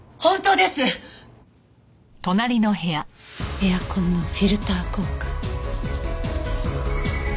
エアコンのフィルター交換。